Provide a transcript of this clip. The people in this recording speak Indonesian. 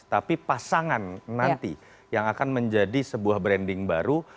tapi pasangan nanti yang akan menjadi sebuah branding baru